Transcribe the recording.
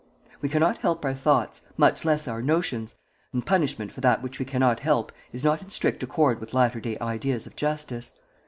We cannot help our thoughts, much less our notions, and punishment for that which we cannot help is not in strict accord with latter day ideas of justice.